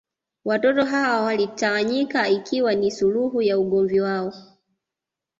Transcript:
Watoto hawa walitawanyika ikiwa ni suluhu ya ugomvi wao